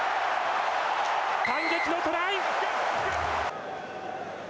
反撃のトライ。